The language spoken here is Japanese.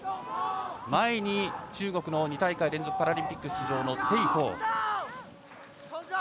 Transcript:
前に中国の２大会連続パラリンピック出場の鄭鵬。